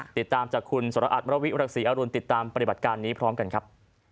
ติดตามจากคุณสรอัตมรวิรักษีอรุณติดตามปฏิบัติการนี้พร้อมกันครับ